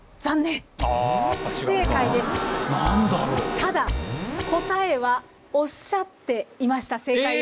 ただ答えはおっしゃっていました正解を。